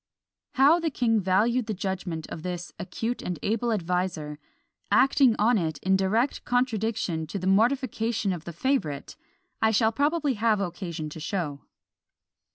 How the king valued the judgment of this acute and able adviser, acting on it in direct contradiction and to the mortification of the favourite, I shall probably have occasion to show.